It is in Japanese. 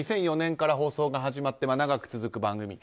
２００４年から放送が始まって長く続く番組。